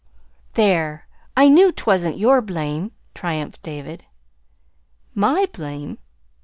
"There! I knew 't wasn't your blame," triumphed David. "MY blame!"